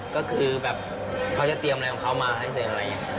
ก็คือแบบเขาจะเตรียมอะไรของเขามาให้เสริมอะไรอย่างนี้